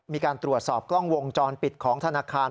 มีการตรวจสอบกล้องวงจรปิดของธนาคาร